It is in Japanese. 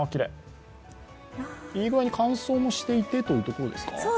いい具合に乾燥もしていてというところですか。